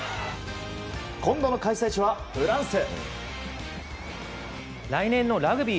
今度の開催地はフランス。